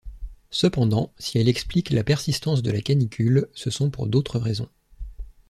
Cependant, si elle explique la persistance de la canicule, ce sont pour d'autres raisons.